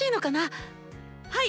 はい！